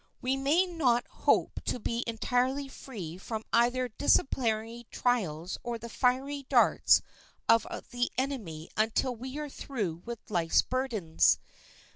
We may not hope to be entirely free from either disciplinary trials or the fiery darts of the enemy until we are through with life's burdens.